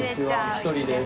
１人です。